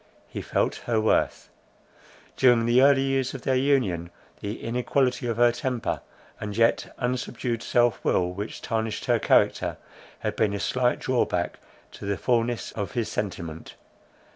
He felt her worth. During the early years of their union, the inequality of her temper, and yet unsubdued self will which tarnished her character, had been a slight drawback to the fulness of his sentiment.